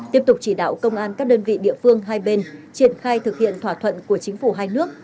tiếp tục chỉ đạo công an các đơn vị địa phương hai bên triển khai thực hiện thỏa thuận của chính phủ hai nước